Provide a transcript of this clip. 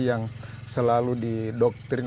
yang selalu didoktrin